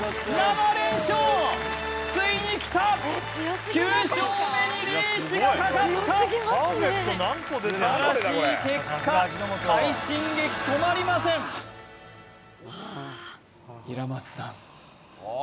７連勝ついにきた９勝目にリーチがかかった素晴らしい結果快進撃とまりません平松さん